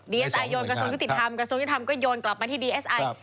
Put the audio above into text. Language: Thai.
เอสไอโยนกระทรวงยุติธรรมกระทรวงยุทธรรมก็โยนกลับมาที่ดีเอสไอ